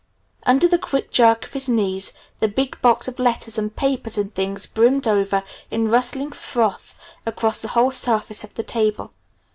Under the quick jerk of his knees the big box of letters and papers and things brimmed over in rustling froth across the whole surface of the table.